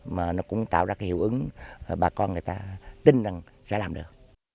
mà nó cũng tạo ra cái hiệu ứng bà con người ta tin rằng sẽ làm được